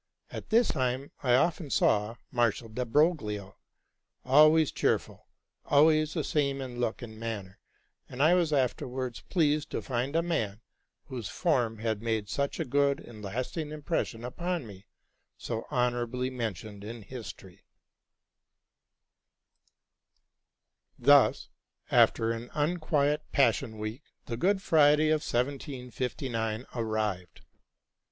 At this time I often saw Marshal de Broglio, always cheerful, always the same in look and manner; and I was afterwards pleased to find a man, whose form had made such a good and lasting impression upon me, so honorably mentioned in histor y Thus, after an unquiet Passion Week, the Good Friday of 1759 arrived.